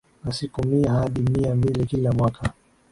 na siku Mia Hadi Mia mbili kila mwaka